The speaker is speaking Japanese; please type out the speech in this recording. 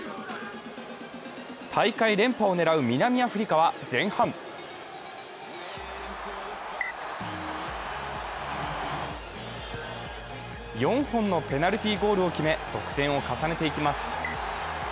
大会連覇を狙う南アフリカは前半４本のペナルティーゴールを決め、得点を重ねていきます。